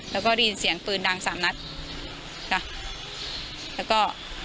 แล้วก็ได้ยินเสียงปืนดังสามนัดค่ะแล้วก็